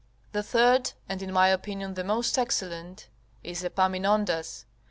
The third and in my opinion the most excellent, is Epaminondas.